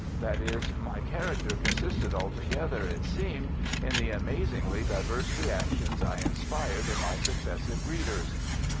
That is, my character consisted altogether, it seemed, in the amazingly diverse reactions I inspired in my successive readers.